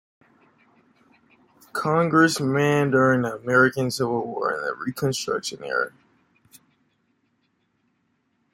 Congressman during the American Civil War and the Reconstruction era.